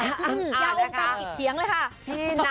อย่าองค์เกินอีกครั้งเลยค่ะ